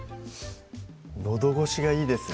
のど越しがいいですね